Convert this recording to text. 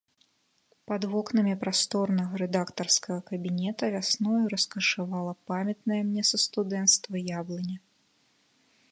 Пад вокнамі прасторнага рэдактарскага кабінета вясною раскашавала памятная мне са студэнцтва яблыня.